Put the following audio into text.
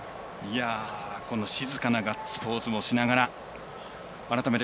静かなガッツポーズもしながら。